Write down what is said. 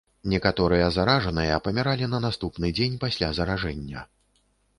Некаторыя заражаныя паміралі на наступны дзень пасля заражэння.